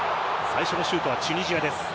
最初のシュートはチュニジアです。